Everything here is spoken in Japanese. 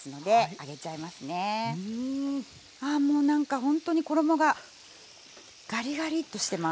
あもう何かほんとに衣がガリガリッとしてます。